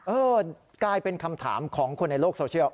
เออกลายเป็นคำถามของคนในโลกโซเชียล